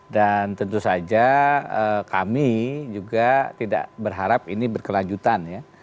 dan tentu saja kami juga tidak berharap ini berkelanjutan ya